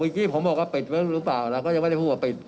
วันกี่ผมบอกประเภทไปแล้วหรือเปล่าและก็ยังไม่ได้พูดว่าปิด